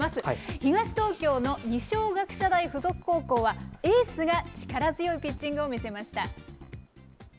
東東京の二松学舎大付属高校は、エースが力強いピッチングを見せました。